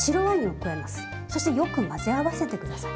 そしてよく混ぜ合わせて下さい。